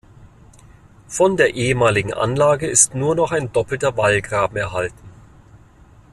Von der ehemaligen Anlage ist nur noch ein doppelter Wallgraben erhalten.